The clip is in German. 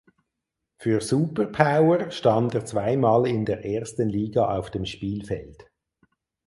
Für "Super Power" stand er zweimal in der ersten Liga auf dem Spielfeld.